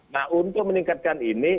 nah untuk meningkatkan ini